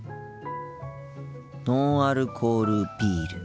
ノンアルコールビール。